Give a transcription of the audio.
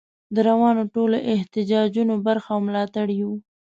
د روانو ټولو احتجاجونو برخه او ملاتړ یو.